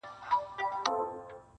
د ميني درد_